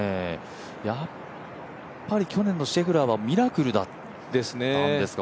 やっぱり去年のシェフラーはミラクルだったんですか。